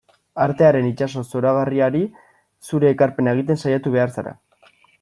Artearen itsaso zoragarriari zure ekarpena egiten saiatu behar zara.